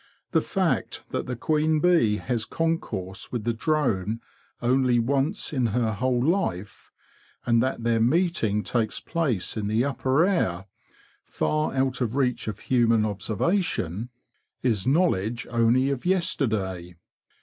The fact that the queen bee has concourse with the drone only once in her whole life, and that their meeting takes place in the upper air far out of reach of human observation, is know ledge only of yesterday.